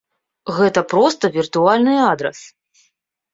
Гэта проста віртуальны адрас!